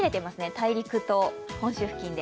大陸と本州付近で。